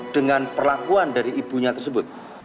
dengan perlakuan dari ibunya tersebut